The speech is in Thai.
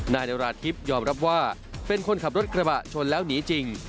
นายนาราธิบยอมรับว่าเป็นคนขับรถกระบะชนแล้วหนีจริง